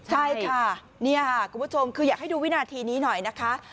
ใช่ค่ะนี่ค่ะคุณผู้ชมคืออยากให้ดูวินาทีนี้หน่อยนะคะ